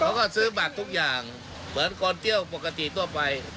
เขาก็ซื้อหมักทุกอย่างเหมือนคนเที่ยวปกติทั่วไป